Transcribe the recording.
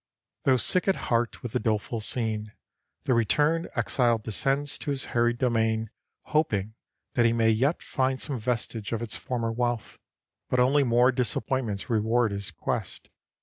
Though sick at heart with the doleful scene, the returned exile descends to his harried domain hoping that he may yet find some vestige of its former wealth, but only more disappointments reward his quest.